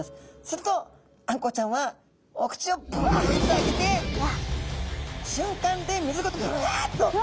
するとあんこうちゃんはお口をブワッと開けてしゅんかんで水ごとブワッと。